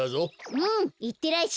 うんいってらっしゃい。